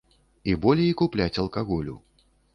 І болей купляць алкаголю.